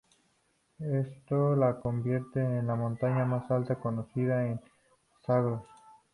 Esto la convierte en la montaña más alta conocida en los Zagros.